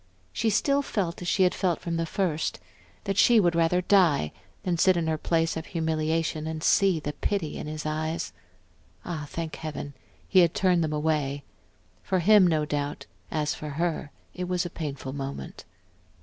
She still felt as she had felt from the first, that she would rather die than sit in her place of humiliation and see the pity in his eyes.... Ah, thank Heaven, he had turned them away; for him, no doubt, as for her it was a painful moment.